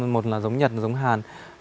một là dống nhật một là dống hàn